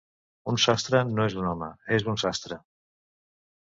Un sastre no és un home, és un sastre.